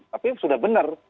tapi sudah benar